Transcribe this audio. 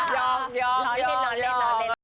ยอมนอนเล่น